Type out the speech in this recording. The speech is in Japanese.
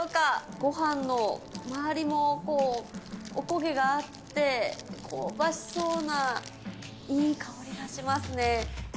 ごはんの周りもこう、おこげがあって、香ばしそうないい香りがしますね。